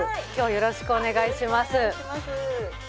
よろしくお願いします。